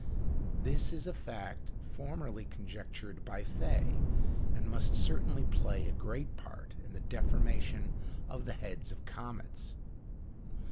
This is a fact formerly conjectured by Faye, and must certainly play a great part in the deformation of the heads of comets.